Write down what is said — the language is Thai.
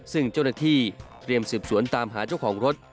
ซึ่งเจ้าหน้าที่เตรียมสืบสวนตามหาเจ้าของรถ